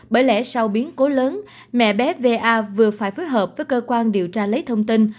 bởi lẽ sau biến cố lớn mẹ bé va vừa phải phối hợp với cơ quan điều tra lấy thông tin